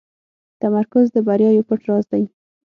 تمرکز د بریا یو پټ راز دی.